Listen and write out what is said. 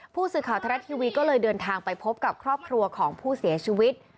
ผู้สื่อข่าวทรัฐทีวีก็เลยเดินทางไปพบกับครอบครัวของผู้เสียชีวิต